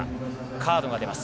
カードが出ます。